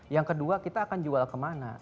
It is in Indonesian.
yang kedua kita akan jual kemana